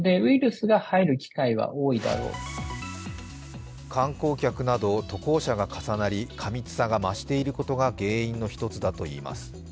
更に観光客など渡航者が重なり過密さが増していることが原因の一つだといいます。